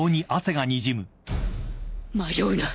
迷うな！